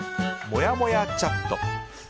もやもやチャット。